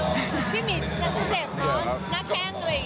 พี่มีเจ็บของหน้าแข้งอะไรอย่างนี้